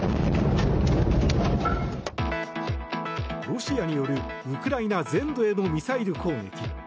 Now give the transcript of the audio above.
ロシアによるウクライナ全土へのミサイル攻撃。